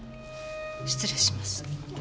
失礼します。